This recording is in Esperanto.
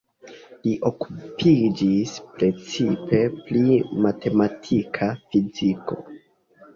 Li okupiĝis precipe pri matematika fiziko.